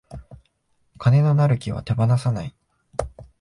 金のなる木は手放さない